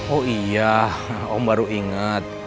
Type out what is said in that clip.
oh iya om baru ingat